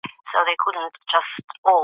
هغه د خپلواکۍ د خوندي کولو لپاره جرئت وښود.